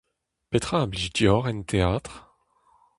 Petra a blij deoc'h en teatr ?